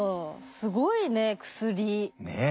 すごいね薬。ねえ。